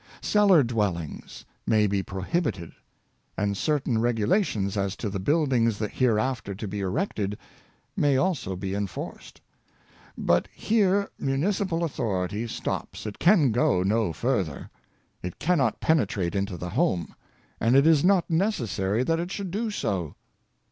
Cellar dwellings may be prohibited, and certain regulations as to the buildings hereafter to be erected may also be enforced. But here municipal authority stops; it can go no further; it cannot penetrate into the home, and it is not necessary that it should do so.